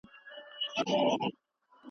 چي د مغولو له بیرغ څخه کفن جوړوي